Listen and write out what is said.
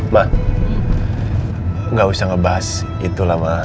ma gak usah ngebahas itu lah ma